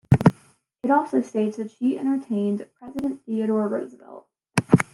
It also states that she entertained President Theodore Roosevelt.